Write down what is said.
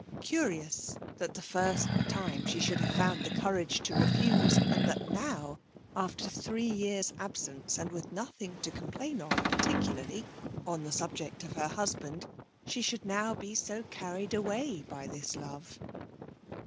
Curious that the first time she should have found the courage to refuse, and that now, after three years' absence and with nothing to complain of particularly on the subject of her husband, she should now be so carried away by this love.